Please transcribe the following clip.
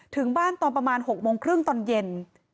ถึงบ้านตอนประมาณ๖โมงครึ่งตอนเย็น